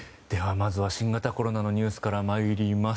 まずは新型コロナのニュースから参ります。